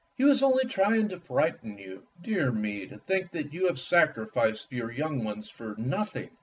He was only trying to frighten you. Dear me, to think that you have sacrificed your young ones for nothing!